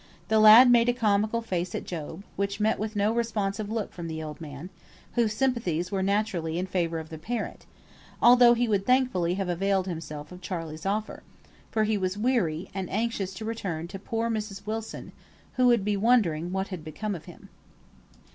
The lad made a comical face at Job, which met with no responsive look from the old man, whose sympathies were naturally in favour of the parent; although he would thankfully have availed himself of Charley's offer, for he was weary, and anxious to return to poor Mrs. Wilson, who would be wondering what had become of him.